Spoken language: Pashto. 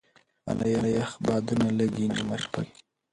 اله یخ بادونه لګې نېمه شپه کي